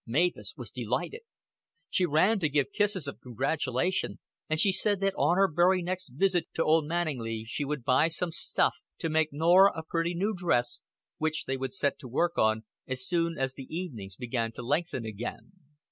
Mavis was delighted. She ran to give kisses of congratulation, and she said that on her very next visit to Old Manninglea she would buy some stuff to make Norah a pretty new dress, which they would set to work on as soon as the evenings began to lengthen again.